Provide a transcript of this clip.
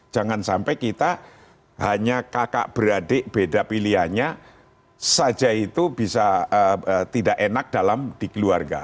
jangan sampai kita hanya kakak beradik beda pilihannya saja itu bisa tidak enak dalam di keluarga